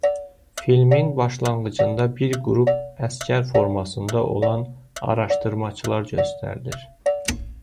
Filmin başlanğıcında bir qrup əsgər formasında olan araşdırmaçılar göstərilir.